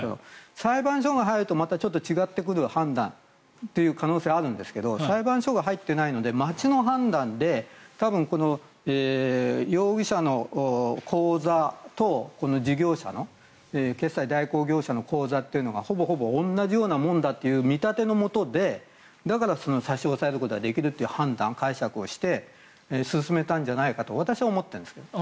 裁判所が入るとまたちょっと違ってくる判断という可能性があるんですけど裁判所が入っていないので町の判断で多分、容疑者の口座とこの事業者の決済代行業者の口座というのがほぼほぼ同じようなものだという見立てのもとでだから、差し押さえることができるという判断解釈をして進めたんじゃないかと私は思ってるんですけど。